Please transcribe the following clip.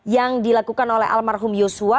yang dilakukan oleh almarhum yosua